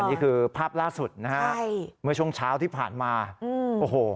อันนี้คือภาพล่าสุดนะฮับมึงช่วงเช้าที่ผ่านมาโอ้โห